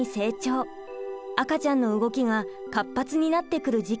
赤ちゃんの動きが活発になってくる時期です。